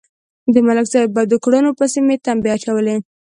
د ملک صاحب بدو کړنو پسې مې تمبې اچولې.